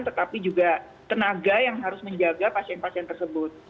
tetapi juga tenaga yang harus menjaga pasien pasien tersebut